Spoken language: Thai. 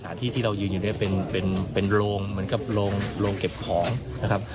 ที่เรายืนอยู่เนี่ยเป็นเป็นโรงเหมือนกับโรงเก็บของนะครับ